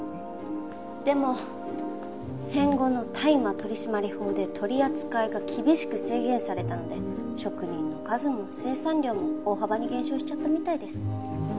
でも戦後の大麻取締法で取り扱いが厳しく制限されたので職人の数も生産量も大幅に減少しちゃったみたいです。